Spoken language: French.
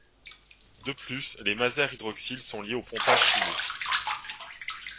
De plus, les masers hydroxyle sont liés au pompage chimique.